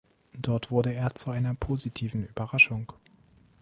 Dort wurde er zu einer positiven Überraschung.